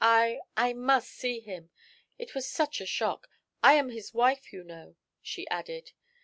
I I must see him. It was such a shock. I am his wife, you know," she added.